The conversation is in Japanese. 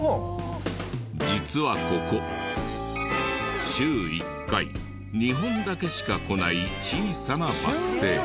実はここ週１回２本だけしか来ない小さなバス停。